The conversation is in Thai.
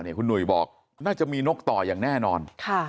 นี่คุณหนุ่ยบอกมีนกต่อยังแน่นอน